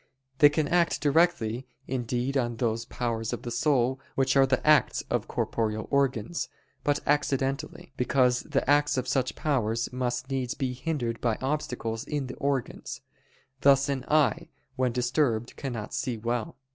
They can act directly indeed on those powers of the soul which are the acts of corporeal organs, but accidentally: because the acts of such powers must needs be hindered by obstacles in the organs; thus an eye when disturbed cannot see well.